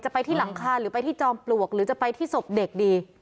ไปที่หลังคาหรือไปที่จอมปลวกหรือจะไปที่ศพเด็กดี